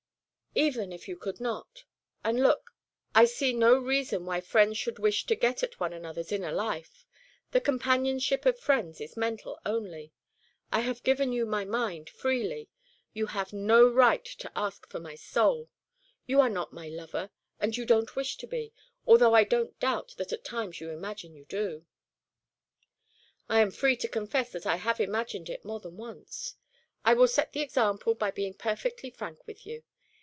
"Even you could not. And look I see no reason why friends should wish to get at one another's inner life. The companionship of friends is mental only. I have given you my mind freely. You have no right to ask for my soul. You are not my lover, and you don't wish to be, although I don't doubt that at times you imagine you do." "I am free to confess that I have imagined it more than once. I will set the example by being perfectly frank with you.